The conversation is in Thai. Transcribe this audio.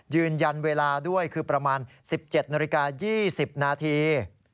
ยืนยันเวลาด้วยคือประมาณ๑๗นาฬิกา๒๐นาที